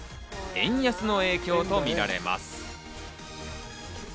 円安の影響とみられます。